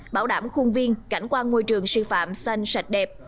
bảo đảm khuôn viên cảnh quan ngôi trường sư phạm xanh sạch đẹp